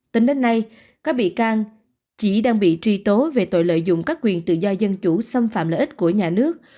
tính đến nay các bị can chỉ đang bị truy tố về tội lợi dụng các quyền tự do dân chủ xâm phạm lợi ích của nhà nước